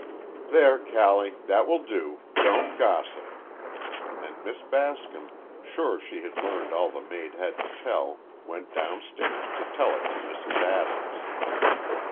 "There, Callie, that will do; don't gossip," and Miss Bascom, sure she had learned all the maid had to tell, went downstairs to tell it to Mrs. Adams.